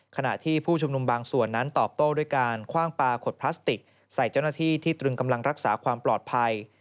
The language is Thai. ขณะที่ผู้ชุมนุมบางส่วนนั้นตอบโต้ด้วยการคว่างปลาขวดพลาสติกใส่เจ้าหน้าที่ที่ตรึงกำลังรักษาความปลอดภัย